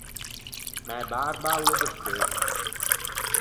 Mæ barba o l’é de Spezza.